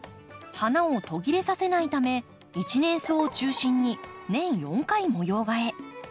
花を途切れさせないため一年草を中心に年４回模様替え。